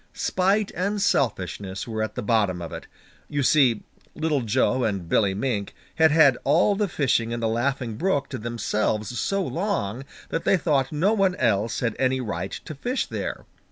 Spite and selfishness were at the bottom of it. You see Little Joe and Billy Mink had had all the fishing in the Laughing Brook to themselves so long that they thought no one else had any right to fish there.